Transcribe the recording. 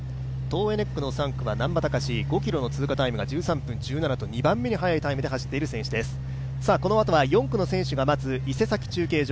トーエネックの３区は難波天、５ｋｍの通過タイムが１３分１７と２番目に速いタイムで走っています。